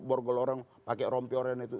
borgol orang pakai rompi orang itu